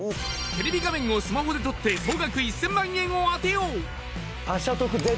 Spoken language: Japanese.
テレビ画面をスマホで撮って総額１０００万円を当てよう。